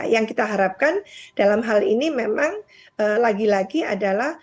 yang kita harapkan dalam hal ini memang lagi lagi adalah